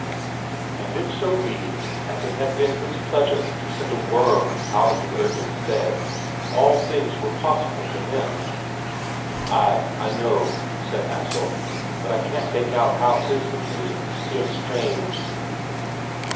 And if so be as it had been His pleasure to send a worm out of the earth instead, all things were possible to Him. "Ay, I know," said Axel. "But I can't make out how 'tis with me feels strange...."